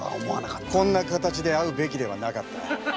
こんな形で会うべきではなかった。